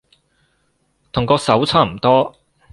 同嗰首差唔多